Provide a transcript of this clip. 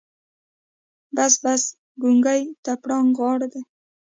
بس بس ګونګي ته پړانګ غار کې.